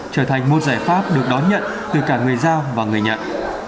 trở thành một giải pháp được đón nhận từ cả người giao và người nhận